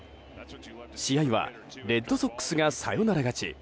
試合はレッドソックスがサヨナラ勝ち。